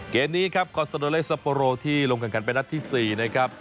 เกมนี้ครับคอนเซโดเลสปอโลที่ลงกันกันเป็นนัดที่๔นะครับ